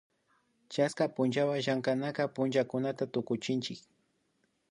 chaska punllawan llankanak pullakunata tukuchinchik